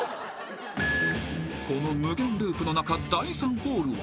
［この無限ループの中第３ホールは］